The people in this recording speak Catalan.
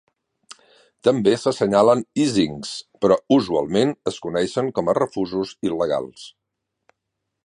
També s'assenyalen "icings", però usualment es coneixen com a refusos il·legals.